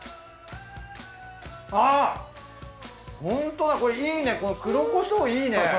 ホントだこれいいねこの黒こしょういいね！